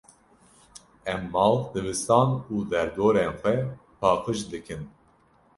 Em mal, dibistan û derdorên xwe paqij dikin.